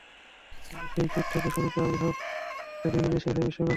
কিন্তু সেই চোট তাঁকে স্বরূপে আবির্ভূত হতে দেয়নি দেশের হয়ে বিশ্বকাপে।